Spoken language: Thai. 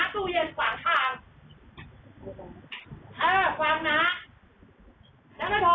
กดตัวทั้งต่อหน้าอย่างมันกัดหลังตัวก